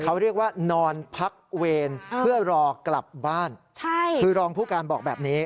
เขาเรียกว่านอนพักเวรเพื่อรอกลับบ้านใช่คือรองผู้การบอกแบบนี้